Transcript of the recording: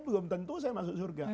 belum tentu saya masuk surga